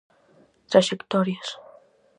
Traxectorias.